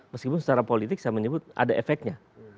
meskipun secara politik saya menyebut ada efeknya